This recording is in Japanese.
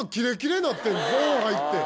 ゾーン入って。